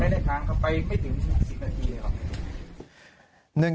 ไม่ได้ค้างครับไปไม่ถึง๑๐นาทีเลยครับ